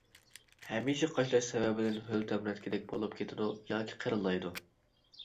ھەمىشە قاشلاش سەۋەبىدىن ھۆل تەمرەتكىدەك بولۇپ كېتىدۇ ياكى قېلىنلايدۇ.